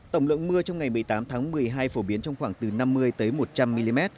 tổng lượng mưa trong ngày một mươi tám tháng một mươi hai phổ biến trong khoảng từ năm mươi một trăm linh mm